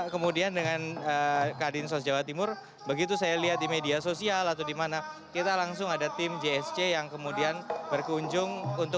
kan bisa diminta bantuan